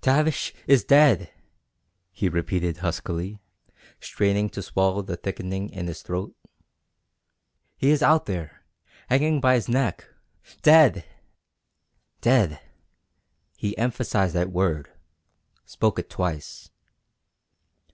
"Tavish is dead!" he repeated huskily, straining to swallow the thickening in his throat. "He is out there hanging by his neck dead!" Dead! He emphasized that word spoke it twice.